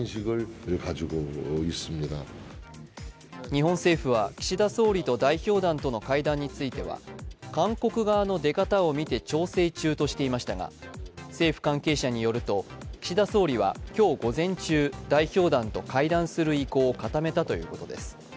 日本政府は岸田総理と代表団との会談については韓国側の出方を見て調整中としていましたが、政府関係者によると、岸田総理は今日午前中、代表団と会談する意向を固めたということです。